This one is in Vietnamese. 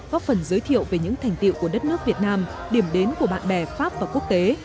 góp phần giới thiệu về những thành tiệu của đất nước việt nam điểm đến của bạn bè pháp và quốc tế